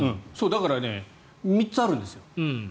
だから３つあるんですよ。